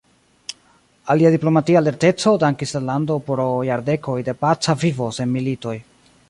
Al lia diplomatia lerteco dankis la lando pro jardekoj de paca vivo sen militoj.